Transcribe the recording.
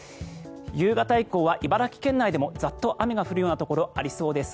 夕方以降は茨城県内でもザッと雨が降るようなところがありそうです。